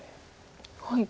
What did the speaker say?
はい。